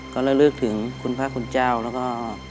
ก็ระลึกถึงคุณพระคุณเจ้าแล้วก็